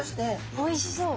おいしそう。